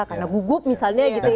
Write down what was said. karena gugup misalnya gitu